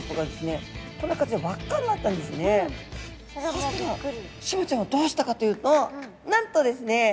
そしたらシマちゃんはどうしたかというとなんとですね